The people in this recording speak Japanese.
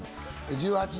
１８日